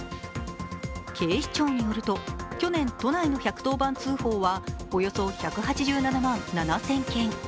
警視庁によると、去年都内の１１０番通報はおよそ１８７万７０００件。